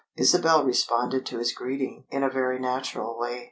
Isabel responded to his greeting in a very natural way.